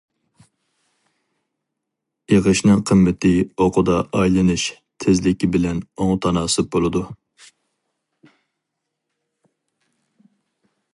ئېغىشنىڭ قىممىتى ئوقىدا ئايلىنىش تېزلىكى بىلەن ئوڭ تاناسىپ بولىدۇ.